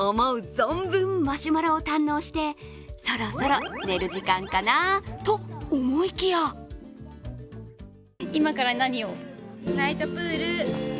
存分、マシュマロを堪能してそろそろ寝る時間かなと思いきや今から何を？